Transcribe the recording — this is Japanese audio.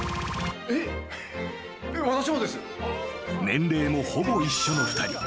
［年齢もほぼ一緒の２人］